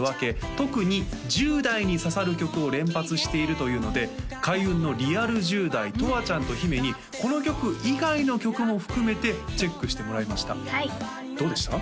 特に１０代に刺さる曲を連発しているというので開運のリアル１０代とわちゃんと姫にこの曲以外の曲も含めてチェックしてもらいましたどうでした？